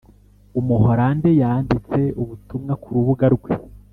umuhorande yanditse ubutumwa ku rubuga rwe